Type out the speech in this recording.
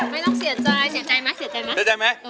ไม่ต้องเสียใจเสียใจไหมเสียใจไหม